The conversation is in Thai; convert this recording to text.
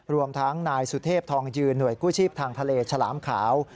รวมทั้งนายสุเทพทองยืนหน่วยกู้ชีพทางทะเลฉลามขาว